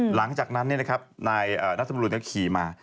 หลังจากนั้นนายนัสสุวัสดิ์ก็ขี่มา